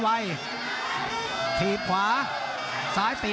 ภูตวรรณสิทธิ์บุญมีน้ำเงิน